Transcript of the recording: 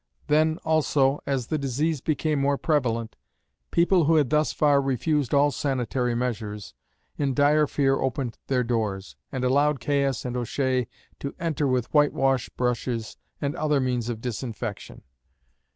Then, also, as the disease became more prevalent, people who had thus far refused all sanitary measures, in dire fear opened their doors, and allowed Caius and O'Shea to enter with whitewash brushes and other means of disinfection.